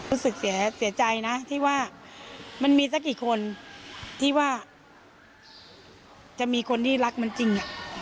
รู้สึกเสียใจนะที่ว่ามันมีสักกี่คนที่ว่าจะมีคนที่รักมันจริง